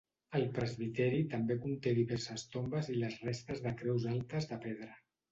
El presbiteri també conté diverses tombes i les restes de creus altes de pedra.